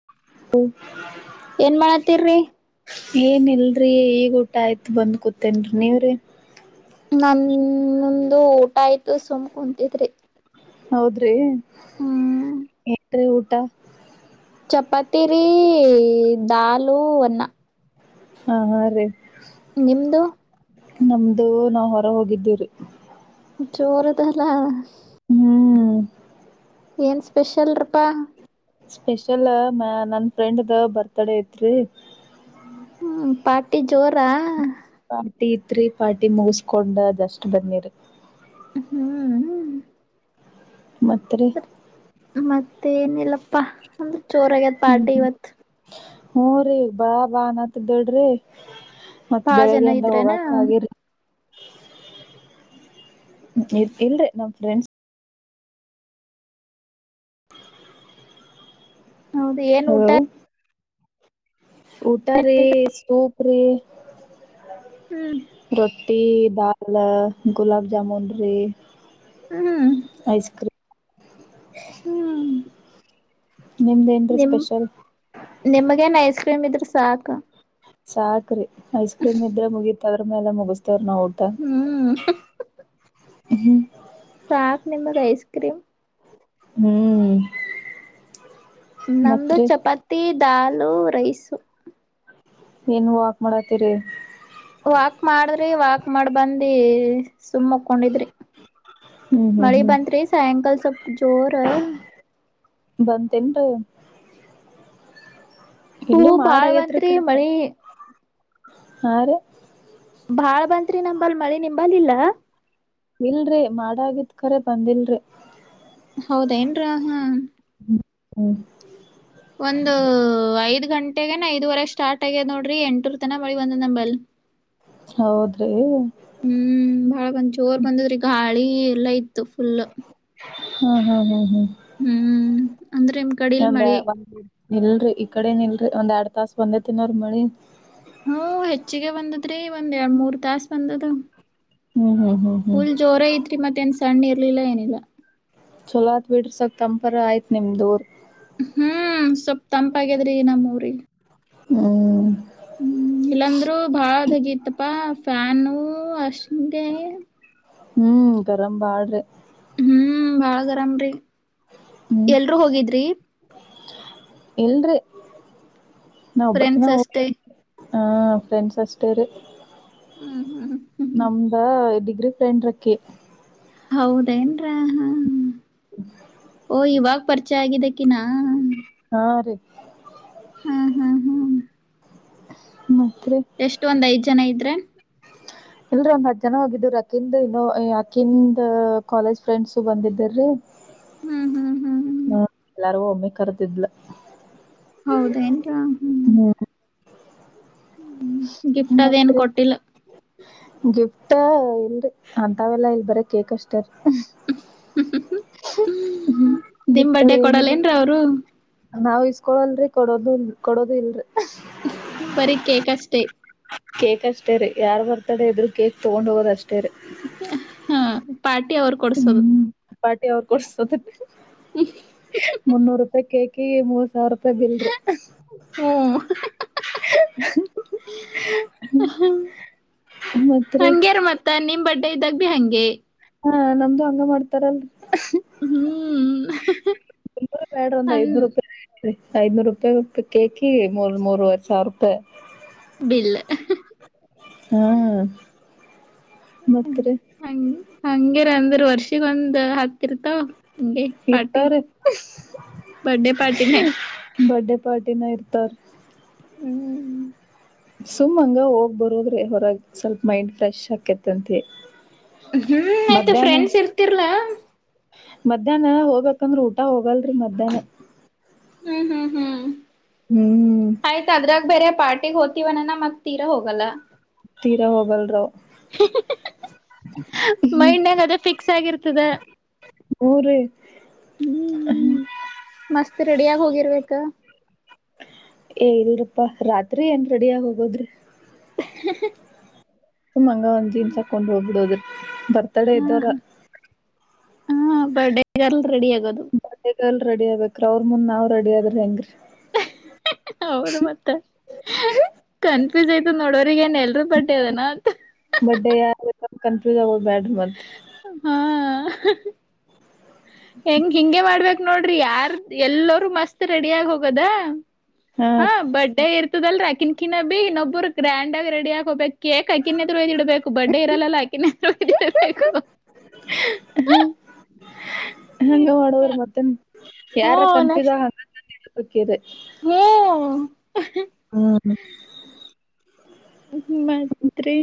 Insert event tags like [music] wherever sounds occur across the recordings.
[unintelligible] ಏನು ಮಾಡ್ತೀರಿ? ಏನ್ ಇಲ್ರಿ, ಈಗ ಊಟ ಆಯ್ತು ಬಂದ್ ಕೂತಿನ್ರಿ, ನೀವ್ರೀ? ನಂದು ಊಟ ಆಯ್ತು ಸುಮ್ ಕುಂತಿದ್ರಿ. ಹೌದ್ರಿ? ಹ್ಮ್ [unintelligible] [unintelligible] ಚಪಾತಿರಿ ದಾಲು ಅನ್ನಾ ಹಾ ಹಾ ರೀ ನಿಮದುು ನಮ್ದು ನಾವ ಹೊರ ಹೋಗಿದಿವ್ರಿ ಚೋರುದಲ್ಲ [unintelligible] ಹ್ಮ್ ಏನ್ ಸ್ಪೆಷಲ್ರಪಾ ಸ್ಪೆಷಲ್ ನನ್ ಫ್ರೆಂಡ್ದ ಬರ್ತ್ಡೇ ಇತ್ರಿ [unintelligible] ಹ್ಮ್ ಪಾರ್ಟಿ ಜೋರಾ ಪಾರ್ಟಿ ತ್ರಿ ಪಾರ್ಟಿ ಮುಗಸ್ಕೊಂಡ ಅದಷ್ಟ್ ಬನ್ನಿರಿ ಹ್ಮ್ ಹ್ಮ ಮತ್ತೆ [unintelligible] ಮತ್ತೆ ಏನಿಲ್ಲಪ್ಪಾ ಅಂದ್ರೆ [unintelligible] ಚೋರ ಆಗತ್ ಪಾರ್ಟಿ ಇವತ್ ಹೂ ರೀ ಬಾ ಬಾನತ [unintelligible] ಮತ್ತತ್ ಬಾಳ ಜನ ಬೆಳಿಗ್ಗೆಯಿಂದ ಇದ್ರೇನಾ ಹೋಗಕ್ ಆಗರಿ ಇ ಇಲ್ರರಿ ನಮ್ ಫ್ರೆಂಡ್ಸ್ [unintelligible] ಹೌದು ಏನ್ ಊಟ ಹಲೋ ಊಟ ರಿ ಸೂಪ್ [unintelligible] [unintelligible] ಹ್ಮ್ ರೊಟ್ಟಿ [unintelligible] ಗುಲಬ್ ಜಾಮನ್ ರಿ ಹ್ಮ್ [unintelligible] ಐಸ್ಕ್ರೀಮ ನಿಮ್ದೇನ್ರೀ ನಿಮ ಸ್ಪೆಷಲ್ ನಿಮಗೇನ [unintelligible] [unintelligible] ಇದ್ರ ಸಾಕ ಸಾಕ್ರಿ ಐಸ್ ಕ್ರೀಮ್ ಇದ್ರೆ ಮುಗೀತು ಆದ್ರ ಮೇಲೆ ಮುಗಿಸತ ಊಟ ಹ್ಮ್ [unintelligible] ಹ್ಮ್ ನಿಮಗೆ ಐಸ್ ಕ್ರೀಮ್ ಹ್ಮ್ [unintelligible] ನಮ್ದು ಮತ್ರಿ ಚಪಾತಿ ಡಾಲು ರೈಸು ಏನ್ ವಾಕ್ ಮಾಡತ್ತೀರಿ ವಾಕ್ ಮಾಡ್ರಿ ವಾಕ್ ವಾಕ್ ಮಾಡ ಬಂದಿ ಸುಮ್ಮ ಮಕೊಂಡಿದ್ರಿ ಹ್ಮ್ ಹ್ಮ್ ಮಳಿ ಹ್ಮ್ ಬಂತ್ರಿ ಸಾಯಂಕಾಲ ಸ್ವಲ್ಪ ಜೋರು ಬಂತೇನ್ರಿ ಹೂ ಬಾಳಬಂತ್ತ್ರಿ ಕ ಮಳಿ [unintelligible] ಬಾಳ್ ಬಂತ್ರಿ ನಂಬಲ್ ಮಳಿ ನಿಂಬಲ್ ಇಲ್ಲ ಇಲ್ರರಿ ಮಾಡಾಗಿದ್ಕರ ಬಂದಿಲ್ರಿ ಹೌದಾ ಏನ್ರಾ ಹಾ ಹ್ಮ [unintelligible] ಒಂದು ಐದು ಗಂಟೆನ ಐದುವರೆಗೆ ಸ್ಟಾರ್ಟ್ ಆಗ್ಯದ ನೋಡ್ರಿ ಎಂಟುರ್ ತನ ಮಳಿಂದ್ ನಂಬಲ್ ಹೌದ್ರಿ [unintelligible] ಹ್ಮ್ ಜೋರ್ ಬಂದ ರಿಗ ಗಾಳಿ ಎಲ್ಲಾ ಇತ್ತು ಫುಲ ಹ್ಮ ಹಾ ಹ್ಮ ಹ್ಮ ಹ್ಮ್ ಅಂದ್ರೆ ನಿಮ್ ಕಡಿಲ್ ಮಳಿ ಇಲ್ರರಿ ಈ ಕಡೆನ್ ಇಲ್ರರಿ ಒಂದ್ ಎರಡ್ ತಾಸ ಬಂದೇ ತಿನ್ನವರಿ ಮಳಿ ಹ್ಮ ಹೆಚ್ಚಿಗೆ ಬಂದದ್ರಿ ಒಂದ್ ಎರಡ್ ಮೂರ್ ತಾಸ ಬಂದದ ಹ್ಮ್ ಹ್ಮ್ ಹ್ಮ್ ಹ್ಮ್ ಫುಲ್ ಜೋರ ಐತ್ರಿ ಮಧ್ಯಾನ ತನ್ನ ಇರ್ಲಿಲ್ಲ ಏನಿಲ್ಲ ಚೊಲೋತ್ ಬಿಡ್ರ ಸ್ವಲ್ಪ ತಂಪಾರ ಆಯ್ತ್ ನಿಮ್ದೂರ್ ಹ್ಮ್ ಸ್ವಪ್ ತಂಪಾಗ್ಯಾದ್ರಿ ನಮ್ಮ ಊರಿಗೆ ಹ್ಮ [unintelligible] ಹ್ಮ್ ಇಲ್ಲಾಂದ್ರರು ಬಾಳದಗತ್ತಪ್ಪಾ ಫ್ಯಾನ್ [unintelligible] ಹ್ಮ್ ಗರಂ [unintelligible] ಹ್ಮ್ ಬಾಳ ಗರಾಮ್ರರಿ ಹ್ಮ್ ಎಲ್ರುೂ ಹೋಗಿದ್ರಿ ಇಲ್ರಿ ನಾ ಒಬ್ಬಕಿನ ಫ್ರೆಂಡ್ಸ್ ಹೋಗ್ ಅಷ್ಟೇ ಹ ಫ್ರೆಂಡ್ಸ್ ಅಷ್ಟೇ ರಿ ಹ್ಮ್ ಹ್ಮ್ ಹ್ಮ್ ನಮ್ದ ಇದು [unintelligible] ಫ್ರೆಂಡ ರಕ್ಕೆ ಹೌದೇನ್ರ ಹ ಹೋ ಈವಾಗ ಪರಿಚಯ ಆಗಿದ್ದಕ್ಕಿನಾ ಹಾ ರ [inaudible] ಹ್ಮ್ ಹ್ಮ್ ಮ್ಮ ಎಷ್ಟು ಒಂದ್ಐ್ ಜನ ಇದ [unintelligible] ಇಲ್ರೀ ಒಂದ್ ಹದ್ ಜನ ಹೋಗಿದ್್ರ ಅಕಿಿಂದ್ ಇನ್ನೋ ಅಕಿಿಂದ ಕಾಲೇಜ್ ಫ್ರೆಂಡ್ಸ್ ಬಂದಿದ್ದೀರಿ ಹ್ಮ್ ಹ್ಮ್ ಹ್ಮ್ ಹ್ಮ್ ಹ ಎಲ್ಲಾರಗೂ ಒಮ್ಮೆ ಕರ್ದಿದ್ಲ ಹೌದ ಏನ್ರಾ ಹ್ಮ್ ಗಿಫ್ಟ್ ಅದೇನು ಕೊಟ್ಟಿಲ್ಲ ಗಿಫ್ಟ ಇಲ್ರಿ ಅಂತವೆೆಲ್ಲಾ ಇಲ್ ಬರ ಕೇಕ್ ಅಷ್ಟೇರಿೀ ನಿಮ್ ಗಿಫ್ಟ್ ಬರ್ಡಡೆ ಅದು ಏನಿಲ್ಲ ಕೊಡಲ್ಲೇಏನ್ರ ಅವರು ನಾವ್ ಇಸ್ಕೊಳಲ್ರರಿ ಕೊಡೋದುಲ್ ಕೊಡೋದು ಇಲ್ರರಿ ಬರಿ ಕೇಕಷ್ಟ [unintelligible] ಕೇಕ್ ಅಷ್ಟೇ ರೀ ಯಾರ್ ಬರ್ತಾಡ ಇದ್ರು ಕೇಕ್ ತೊಗೊಂಡ್ ಹೋಗೋದಷ್ಟೇ ಟರೆ ಹ ಪಾರ್ಟಿ ಅವ್ರು ಕೊಡ್ಸೋದು ಪಾರ್ಟಿ ಅವ್ರು ಕೊಡ್ಸದು ಮುನ್ನೂರು ರೂಪಾಯಿ ಕೇಕ್ [unintelligible] ಸಾವಿರ ರೂಪಾಯಿ ಬಿಲ್ರಿ ಹ್ಮ್ ಮತ್ರಿ ದ್ದಾರಬಿಹಂಗೆ ಹಾ ನಮ್ದು ಹಂಗ ಮಾಡ್ತಾರಲ್ ಹ್ಮ್ ಹ್ಮ [unintelligible] ಬೇಡ ಒ್ ಐ್ನೂರು ರೂಪಾಯಿ ಐದನೂರು ರೂಪಾಯಿ ಕೇಕಿ ಮೂರ್ ಮೂರ್ವ ಸಾವಿರ ರೂಪಾಯಿ ಬಿಲ್ ಹಾ ಹ್ಮ ಮತ್ರಿ ಹಂಗ ಹಂಗಿರ ಅಂದ್ರ ವರ್ಷಿಗ ಒಂದ್ ಹತ್ತಿರ್ತಾವ ಹಂಗೆ ಪಾರ್ಟಿ ಇರ್ತಾರೆ ಬರ್ಡೇ ಪಾರ್ಟಿನೇ ಬರ್ಡೇ ಪಾರ್ಟಿನ ಇರ್ತಾವ ಹ್ಮ್ ಹ್ಮ್ ಸುಮ್ ಹಂಗ ಹೋಗ್ ಬರೋದ್ರೆ ಹೊರಗೆ ಸ್ವಲ್ಪ ಮೈಂಡ್ ಫ್ರೆಶ್ ಆಾಕತ್ತಂತರಿ ಹ್ಮ್ ಆಯ್ತಾ ಫ್ರೆಂಡ್ಸ್ ಇರ್ತಿರ್ಲಾ ಮಧ್ಯಾಹ್ನ ಹೋಗ್ಬೇಕಂದ್ರ ಊಟ ಹೋಗಲ್ರರಿ ಮಧ್ಯಾಹ್ನ ಹ್ಮ್ ಹ್ಮ್ ಹ್ಮ್ ಹ್ಮ್ ಆಯ್ತ ಅದ್ರಾಗ ಬೇರೆ ಪಾರ್ಟಿಗೆ ಹೋಗ್ತಿವನ್ನನ್ನ ಮತ್ ತೀರ ಹೋಗಲ್ಲ ತೀರಾ ಹೋಗಲ್ರ [unintelligible] ಮೈಂಡ್ನಾಗ ಅದ ಫಿಕ್ಸ್ ಆಗಿರ್ತದ. ಹ್ಞೂರಿ ಹ್ಮ್, ಮಸ್ತ್ ರೆಡಿಯಾಗ್ ಹೋಗಿರ್ಬೇಕ. ಅಪ್ಪಾ, ರಾತ್ರಿ ಏನ್ ರೆಡ ಆಗ್ ಹೋಗೋದ್ರಿ? ಸುಮ್ನ ಹಂಗೆ ಒಂದ್ ಜೀನ್ಸ್ ಹಾಕೊಂಡ್ ಹೋಗ್ಬಿಡಿವ್ರಿ ಬರ್ತಡೇ ಹಾ ಇದ್ದವರ ಹಾ ಹಾ ಬರ್ಡೇಗಲ್ ರೆಡಿ ಆಗೋದು. ಬರ್ಡೇಗಲ್ ರೆಡಿ ಆಗ್ಬೇಕ್ರ ಅವ್ರ ಮುಂದ್ ನಾವ್ ರೆಡಿ ಆಗಿಲ್ಲಂದ್ರ? ಹೌದು ಮತ್ತೆ, ಕನ್ಫ್ಯೂಸ್ ಆಯ್ತು ನೋಡೋರಿಗೆ ಏನ್ ಎಲ್ರೂ ಬರ್ಡೆನಾ ಅಂತ. ಬರ್ಡೇ [unintelligible] ಬ್ಯಾಡ್ರಿ [unintelligible] ಹಾ [inaudible] ಹೆಂಗ್ ಹಿಂಗೆ ಮಾಡ್ಬೇಕ್ ನೋಡ್ರಿ ಯಾರ್ ಎಲ್ಲರೂ ಮಸ್ತ್ ರೆಡಿ ಆಗಿ ಹೋಗೋದ? ಹಾ ಬರ್ಡೇ ಇರ್ ಇದಲ್ರ ಆಕಿನ್ [unintelligible] ಇನ್ನೊಬ್ಬರು ಗ್ರ್ಯಾಂಡ್ ಆಗ ರೆಡಿ ಆಗ್ ಹೋಗಬೇಕ. ಕೇಕ್ ಆಕಿನ್ನೆದ್ರು ಇಡ್ಬೇಕು ಬರ್ಡೇ ಇರಲ್ಲ ಅಕಿನ್ನದ್ರುಯ್ದಿಡ್ಬೇಕು ಹಹಹ.. ಹಂಗ ಮಾಡವ್ರ ಮತ್ತೆ ಹ್ಮ ಯಾರ ಕನ್ಫ್ಯೂಸ್ ನೆಕ್ಸ್ಟ್ ಆಗ [unintelligible] ಕಿದೆ ಹ್ಮ್ ಹ್ಮ ಹುಹು [unintelligible] ರೀ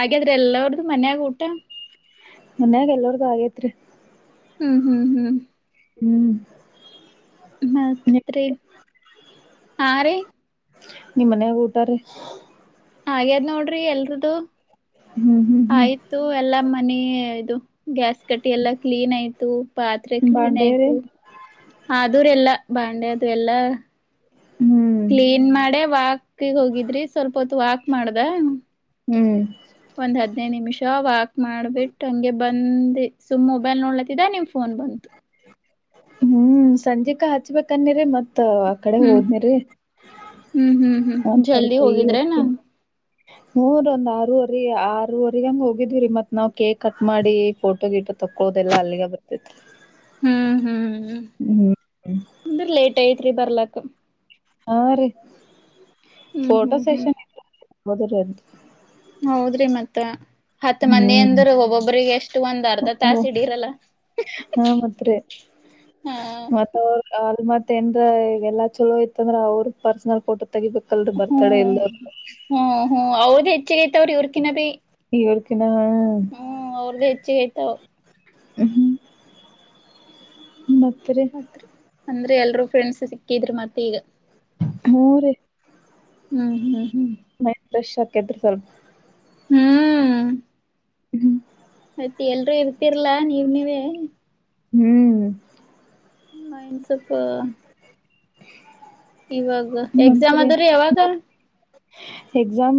ಆಗೇದ ಎಲ್ಲಾರ್ದು ಮನೆಯಾಗ್ ಊಟಾ? ಮನ್ಯಾಗ ಎಲ್ಲರ್ದು ಆಗೇತ್ರಿ ಹ್ಮ್ ಹ್ಮ್ ಹ್ಮ್ ಹ್ಮ್ ಮತ್ರಿ? ಹಾ.. ರೀ ನಿಮ್ಮ ಮನ್ಯಾಗ ಊಟ ರೀ? ಆಗ್ಯಾದ್ ನೋಡ್ರಿ ಎಲ್ರುದು. ಹ್ಮ್ ಹ್ಮ್ ಹ್ಮ್ ಆಯ್ತು ಎಲ್ಲ ಮನೆ ಇದು ಗ್ಯಾಸ್ ಕಟ್ಟಿ ಎಲ್ಲ ಕ್ಲೀನ್ ಆಯ್ತು, ಪಾತ್ರೆ ಕ್ಲೀನ್ ಬಾಂಡೇರಿ ಆಯ್ತು, ಆದೂರೆ ಎಲ್ಲಾ ಅ ಅದು ಎಲ್ಲ ಹ್ಮ್ ಕ್ಲೀನ್ ಮಾಡೆ ವಾಕ್ಯಗೆ ಹೋಗಿದ್ರಿ ಸ್ವಲ್ಪ ಹೊತ್ತು ವಾಕ್ ಮಾಡ್ದ ಹ್ಮ್ ಒಂದ್ ಹದ್ನೈದು ನಿಮಿಷ ವಾಕ್ ಮಾಡ್ಬಿಟ್ಟು ಹಂಗೆ ಬಂದ ಸುಮ್ ಮೊಬೈಲ್ ನೋಡ್ಲತ್ತಿದ ನಿಮ್ ಫೋನ್ ಬಂತು ಹ್ಮ್ ಸಂಜಕ ಹಚ್ಬೇಕಂದೇರೆ ಮತ್ ಮತ್ತ ಆ ಕಡೆ ಹ್ಮ್ ಹೋದ್ನಿರೀ ಹ್ಮ್ ಹ್ಮ್ ಹ್ಮ್ ಜಲ್ದಿ ಹೋಗಿದ್ರೆ ನಾ ಹು ರಿ ಒಂದ ಆರೂವರೆ ಆರೂವರೆಗ ಹಂಗ ಹೋಗಿದ್ವಿ್ರೀ ಮತ್ ನಾವ್ ಕೇಕ್ ಕಟ್ ಮಾಡಿ ಫೋಟೋ ಗಿಟ ತಕೊದೆಲ್ಲ ಅಲ್ಲಿಗ ಬರ್ತೇತ್ ಹ್ಮ್ ಹ್ಮ್ ಹ್ಮ್ ಅಂದ್ರ ಲೇಟ್ ಐತ್ರಿ ಬರ್ಲಾಕ್ ಹಾ ರೀ ಹ್ಮ್ ಹ್ಮ್ ಹ್ಮ್ ಮೊದಲದು ಹೌದ್ರಿ ಮತ್ತ ಹತ್ ಮಂದಿ ಹ್ಮ್ ಎಂದರು ಒಬ್ಬೊಬ್ರಿಗೆ ಎಷ್ಟು ಒಂದ್ ಅರ್ಧ ತಾಸಿಡರಲ್ಲ ಹಾ ಮತ್ರಿ ಹಾ ಮತ್ತೇನ್ರ ಈಗ ಎಲ್ಲ ಚಲೋ ಇತ್ತಂದ್ರ ಅವ್ರ ಪರ್ಸನಲ್ ಫೋಟೋ ತೆಗಿಬೇಕಲ್ರಿ ಬರ್ತಡೇ ಹ್ಮ್ ಎಲ್ಲೋರ್ ಹ್ಮ್ ಹ್ಮ್ ಹೌದೇತಿ ಚೇಾ ಅವ್ರ ಇವರ್ಕಿಿ [inaudible] ಹ್ಮ್ ಅವ್ರ್ದ ಹೆಚ್ಚು ಹೆ ತ ಹ್ಮ್ ಹ್ಮ್ ಮತ್ತ ್ರೇ [unintelligible] ಮತ್ರಿ ಅಂದ್ರೆ ಎಲ್ರೂ ಫ್ರೆಂಡ್ಸ್ ಸಿಕ್ಕಿದ್ರು ಮತ್ತೆ ಈಗ ಹ್ಮ ರೀ ಹ್ಮ್ ಹ್ಮ್ ದೃಶ್ಯಕೇತ್ರಸಲ್ಮ [unintelligible] ಹ್ಮ್ ಹ್ಮ್ ಮತ್ತೆ ಎಲ್ರುೂ ಇರ್ತಿರ್ಲಾ ನೀವ ನೀವೇ ಹ ಹ್ಮ್ ಮೈಂಡ್ಸಪ್ಪ ಇವಾಗ ಎಕ್ಸಾಮ್ ಮತ್ರಿ ಆದದ್ರೆ ಯಾವಾಗ ಎಕ್ಸಾಮ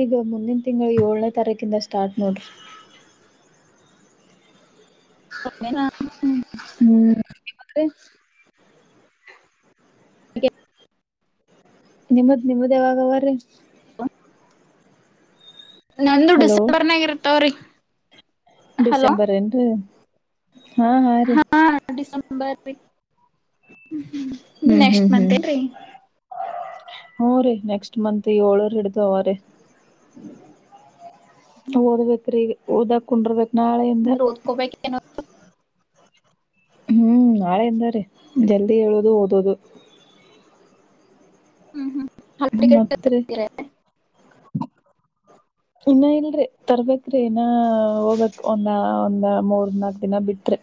ಈಗ ಮುಂದಿನ ತಿಂಗಳು ಏಳನೇ ತಾರೀಕಿಂದ ಸ್ಟಾರ್ಟ್ ನೋಡ್ರಿ ಹ ಹ [unintelligible] [unintelligible] ನಿಮ್ಮದ್ ನಿಮ್ಮ್ದ ಯಾವಾಗ ಅವರ್ರೀ ನಂದು ಹಲೋ ಡಿಸೆಂಬರ್ನಾಗ ಇರತಾವ್ರಿ. ಡಿಸೆಂಬರ್ ಯೆನ್ರಿ? ಹಾ ಹಾ ರೀ ಸಂಬರ್ ಬಿ ಹ್ಮ ನೆಕ್ಸ್ಟ್ ಮಂತ್ ಲ್ರಿ ಹ್ಮ ರರಿ ನೆಕ್ಸ್ಟ್ ಮಂತ್ ಏಳರು ಹಿಡ್ದಾವ ರೀ. ಹಾ ಓದ್ಬೇಕ್ರಿ. ಓದಾಕು ಬರಬೇಕು. ನಾಳೆಯಿಂದ ಅಂದ್ರ ಓದ್ಕೋಬೇಕೇನೋ ಹ್ಮ್ ನಾಳೆ ಎಂದಾರೆ ಜಲ್ದಿ ಏಳದು, ಓದೋದು. ಹ್ಮ್ ಹ್ಮ್ ಹಾಲ್ಟಿಕೆಟ್ ಮತ್ರಿ ಬಿ ಇನ್ನ ಇಲ್ರಿ ತರ್ಬೇಕ್ರಿ ಇನ್ನ ಹೋಗ್ಬಕ್ ಒಂದಾ ಒಂದ್ ಮೂರ್ ನಾಲ್ಕು ದಿನ ಬಿಟ್ರಿ.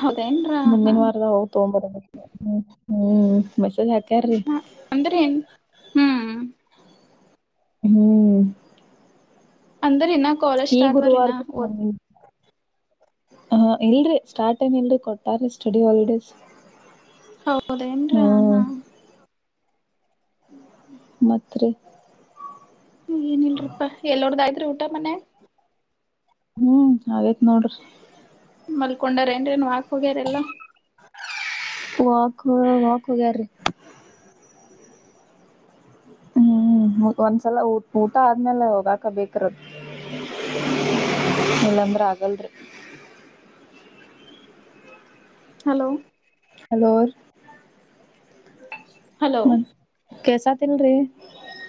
ಹೌದೇನ್ರ ಹಾ ಮುಂದಿನ ವಾರದ ಹೋಗ ತೊಂಬೊದು. ಹ್ಮ್ ಮಸದ ಹಾಕಾರ್ರೀ ಹಾ ಅಂದ್ರ ಏನ್ ಹ್ಮ್ ಹ್ಮ್ ಅಂದರ ಇನ್ನ ಕಾಲೇಜ್ ಈ ಸ್ಟಾರ್ಟ್ ಆದ್ವರಿ ಇನ್ನ ಗುರುವಾರದ್ ಓದ್ ಹ ಇಲ್ರಿ ಸ್ಟಾರ್ಟ ನ್ ಇಲ್ರಿ ಕೊಟ್ಟಾರೀ ಸ್ಟಡಿ ಹಾಲಿಡೇಸ್. ಹೌದೇಏನ್ರ ಹಾ ಹ್ಮ್ ಹಾ ಹ್ಮ್ ಮತ್ ರಿ. ಏನಲ್ರಪ್ಪಾ ಎಲ್ಲೋರ್ದ್ದಾಯ್ತ್? ಒ ಮನೆ ಹ್ಮ್ ಆಗೈತ್ ನೋಡ್ರಿ ಮಲ್ಕೊಂಡಾರ ಏನ್ರೀನು ವಾಕ್ ಹೋಗ್ಯಾರ ಎಲ್ಲ. ವಾಕ್ ವಾಕೋಗ್ಯ ರೀ. ಹ್ಮ್ ಒಂದ್ಸಲ ಊ ಊಟ ಆದ್ಮೇಲೆ ಹೋಗಾಕ ಬೇಕ್ರಿ ಇಲ್ಲಾಂದ್ರ ಆಗಲ್ರಿ. ಹಲೋ ಹಲೋ ಹ ಮತ್ ಕೆಸ ತಿಲ್ರರಿ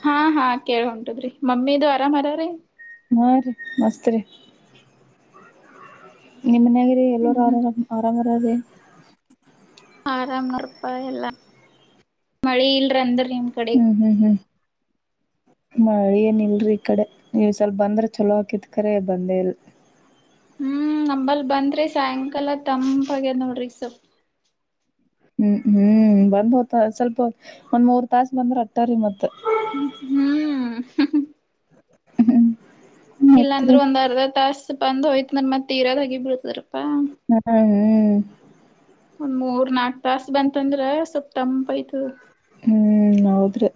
ಹಾ ಹಾ ಕೇಳ ಉಂಟದ್ರಿ ಮಮ್ಮಿದು ಆರಾಮ ರಿ? ಮ ರೀ ಮಸ್ತ್ ರೀ. ನಿಮ್ಮ ಮನ್ಯಾಗರಿ ಎಲ್ಲರೂ ಹ್ಮ್ ಆರ ಹ್ಮ್ ಆರಾಮ ಅದೇ ಆರಾಮ್ ನೋಡ್ಪ ಎಲ್ಲ, ಮಳಿ ಇಲ್ರ ಅಂದ್ರ ನಿಮ ಕಡೆ ಹ್ಮ್ ಹ್ಮ್ ಹ್ಮ್ ಮಳಿ ಏನಿಳ್ರಿ ಈ ಕಡೆ ನೀವುಸಲ್ ಬಂದ್ರೆ ಚೊಲೋ ಹಾಕಿದ್ಕರ ಬಂದೇ ಇಲ್ ಹ್ಮ್ ನಂಬಲ್ ಬಂದ್ರಿ ಸಾಯಂಕಾಲ ತಂಪಾಗ್ಯದ್ ನೋಡ್ರಿ ಸ್ವಲ್ ಹ್ಮ್ ಹ್ಮ್ ಬರಬೋದ್ ಆ ಸ್ವಲ್ಪ ಒಂದ್ ಮೂರ್ ತಾಸ ಬಂದ್ರ ಅಟ್ಟರೀ ಮತ್ತ ಹ್ಮ್ ಹ್ ಮತ್ರಿ ಇಲ್ಲಾಂದ್ರೆ ಒಂದ್ ಅರ್ಧ ತಾಸಸ್ ಬಂದ್ ಹೊಯ್ತಂದ್ರ ಮತ್ತೆ ತರದ ಹಗ ರ ಹ್ಮ್ ಹ್ಮ್ ಒಂದ್ ಮೂರ್ ನಾಲ್ಕ ತಾಸ್ ಬಂತಂದ್ರ ಸೊಲ್ಪ್ ತಂಪೈತದ ಹ್ಮ್ ಮ್ ಹೌದ್ರಿ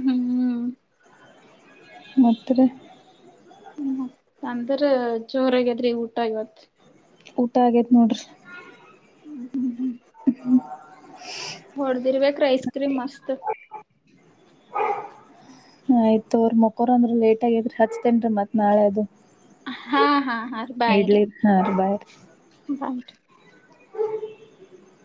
ಹ್ಮ್ ಹ್ಹ್ ಮುದ್ರ ಅಂದ್ರ ಜೋರಾಗ್ಯಾದ್ರಿ ಊಟ ಇವತ್ ಊಟ ಆಗೈತ್ ನೋಡ್ರಿ ಹ್ಮ್ ಹ್ಮ್ಮ ಹೊಡ್ದಿರ್ಬೇಕ್ರಿ ಐಸ್ ಕ್ರೀಮ್ ಮಸ್ತ್ ಹ ಆಯ್ತು ಅವ್ರ ಮಕರ್ ಅಂದ್ರರು ಲೇಟ್ ಆಗಾದ್ರೆ ಹಚ್ತೇನ್ ರಿ ಮತ್ ನಾಳೆ ಅದು ಹಾ ಹಾ ಹಾ ರ ಬಾಯ್ ರಿ ಇಡ್ಲಿ ಹಾ ರೀ ಬಾಯ್ ಬ